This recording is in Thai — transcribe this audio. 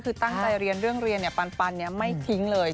คือตั้งใจเรียนเรื่องเรียนปันไม่ทิ้งเลย